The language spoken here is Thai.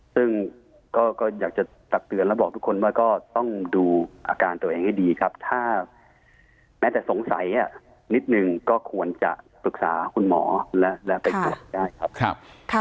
ซึ่งก็อยากจะตักเตือนแล้วบอกทุกคนว่าก็ต้องดูอาการตัวเองให้ดีครับถ้าแม้แต่สงสัยนิดนึงก็ควรจะปรึกษาคุณหมอและไปตรวจได้ครับ